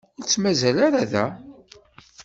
Ur tt-mazal ara da.